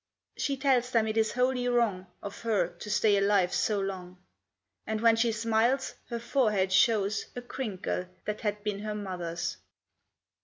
She tells them it is wholly wrong Of her to stay alive so long; And when she smiles her forehead shows A crinkle that had been her mother's.